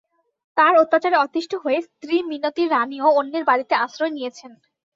তাঁর অত্যাচারে অতিষ্ঠ হয়ে স্ত্রী মিনতি রানীও অন্যের বাড়িতে আশ্রয় নিয়েছেন।